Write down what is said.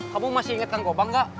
kamu masih inget kang gobang gak